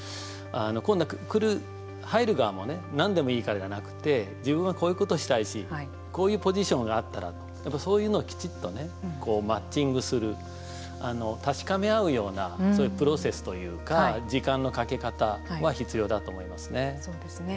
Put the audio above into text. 今度は、来る、入る側もね何でもいいからじゃなくて自分はこういうことしたいしこういうポジションがあったらとそういうのをきちっとねこう、マッチングする確かめ合うようなそういうプロセスというか時間のかけ方はそうですね。